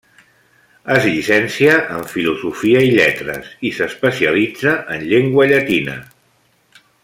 Es llicencia en filosofia i lletres i s'especialitza en llengua llatina.